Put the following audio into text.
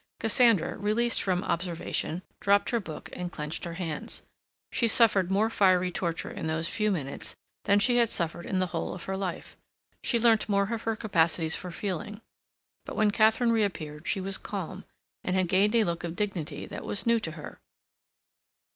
Cassandra, released from observation, dropped her book and clenched her hands. She suffered more fiery torture in those few minutes than she had suffered in the whole of her life; she learnt more of her capacities for feeling. But when Katharine reappeared she was calm, and had gained a look of dignity that was new to her.